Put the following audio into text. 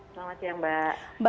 selamat siang mbak